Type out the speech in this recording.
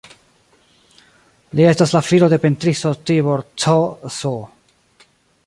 Li estas la filo de pentristo Tibor Cs.